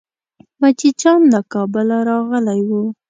مجید جان له کابله راغلی و.